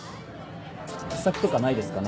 秘策とかないですかね？